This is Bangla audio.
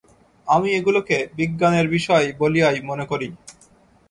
আমি এগুলিকে বিজ্ঞানের বিষয় বলিয়াই মনে করি।